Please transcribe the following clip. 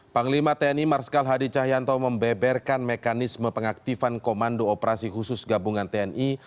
panglima tni marskal hadi cahyanto membeberkan mekanisme pengaktifan komando operasi khusus gabungan tni